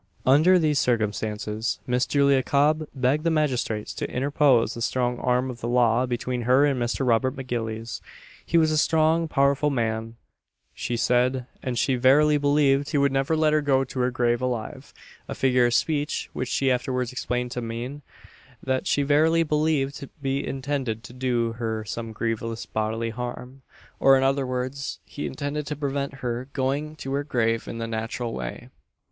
] Under these circumstances, Miss Julia Cob begged the magistrates to interpose the strong arm of the law between her and Mr. Robert M'Gillies. He was a strong, powerful man, she said, and she verily believed he would never let her go to her grave alive a figure of speech which she afterwards explained to mean that she verily believed be intended to do her some grievous bodily harm or, in other words, he intended to prevent her going to her grave in the natural way.